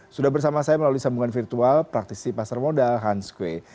sudah bersama saya melalui sambungan virtual praktisi pasar modal hans kue